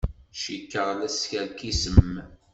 Cikkeɣ la teskerkisem.